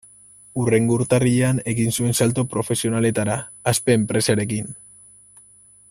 Hurrengo urtarrilean egin zuen salto profesionaletara, Aspe enpresarekin.